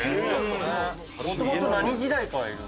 もともと何時代からいる？